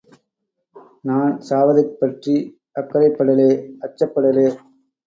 நான் சாவதைப் பற்றி அக்கறைப்படலே அச்சப்படலே.